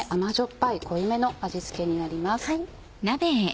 ぱい濃いめの味付けになります。